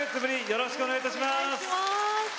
よろしくお願いします。